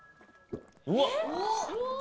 うわっ。